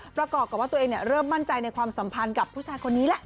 ประกอบกับว่าตัวเองเริ่มมั่นใจในความสัมพันธ์กับผู้ชายคนนี้แหละ